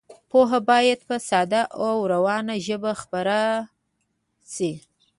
پوهه باید په ساده او روانه ژبه خپره شي.